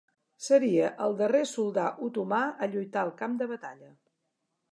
Seria el darrer soldà otomà a lluitar al camp de batalla.